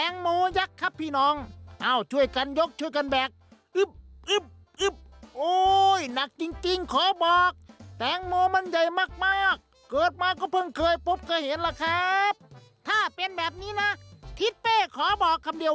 เออว่าแต่ว่าเมื่อไหร่จะถึงจุดหมายเสียทีล่ะครับขาออดละเนี่ย